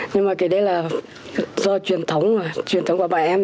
nhưng mà cái đấy là do truyền thống của bọn em